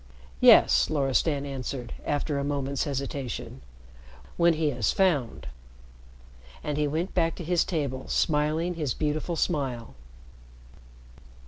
"Yes," Loristan answered, after a moment's hesitation, "when he is found." And he went back to his table smiling his beautiful smile.